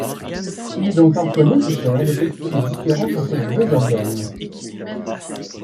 Il est donc parfois nécessaire de préciser les différences entre les deux organes.